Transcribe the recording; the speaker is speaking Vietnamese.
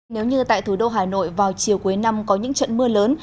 nếu như tại thủ đô hà nội vào chiều cuối năm có những trận mưa lớn